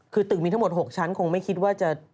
คือตึกมีทั้งหมด๖ชั้นคงไม่คิดว่าจะ